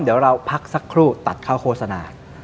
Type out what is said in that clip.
เดี๋ยวเราพักสักครู่ตัดเข้าโฆษณา